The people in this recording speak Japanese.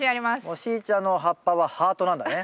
もうしーちゃんの葉っぱはハートなんだね。